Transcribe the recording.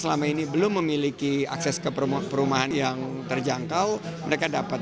selama ini belum memiliki akses ke perumahan yang terjangkau mereka dapat